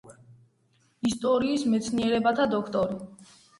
ისტორიის მეცნიერებათა დოქტორი.